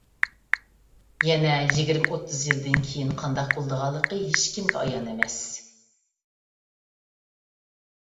يەنە يىگىرمە-ئوتتۇز يىلدىن كېيىن قانداق بولىدىغانلىقى ھېچ كىمگە ئايان ئەمەس.